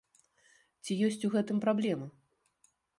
Ці ёсць у гэтым праблема?